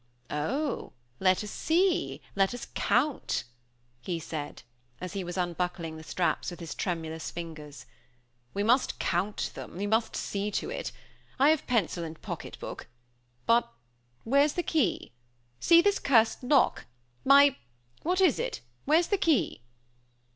"Oh! Let us see let us count let us see," he said, as he was unbuckling the straps with his tremulous fingers. "We must count them we must see to it. I have pencil and pocket book but where's the key? See this cursed lock! My ! What is it? Where's the key?"